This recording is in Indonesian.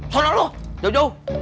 salah lu jauh jauh